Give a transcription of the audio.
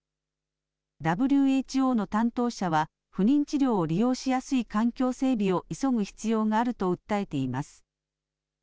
ＷＨＯの担当者は、不妊治療を利用しやすい環境整備を急ぐ必要があると訴えています。